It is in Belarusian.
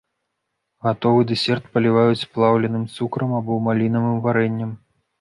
Гатовы дэсерт паліваюць плаўленым цукрам або малінавым варэннем.